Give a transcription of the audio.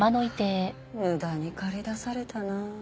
無駄に駆り出されたな。